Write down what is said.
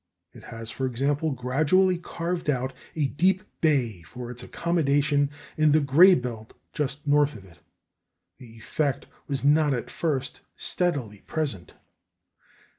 It has, for example, gradually carved out a deep bay for its accommodation in the gray belt just north of it. The effect was not at first steadily present.